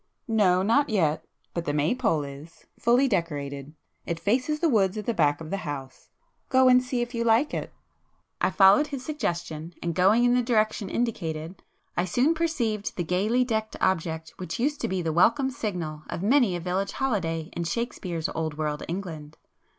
"No, not yet. But the May pole is;—fully decorated. It faces the woods at the back of the house,—go and see if you like it." I followed his suggestion, and going in the direction indicated, I soon perceived the gaily decked object which used to be the welcome signal of many a village holiday in Shakespeare's old world England.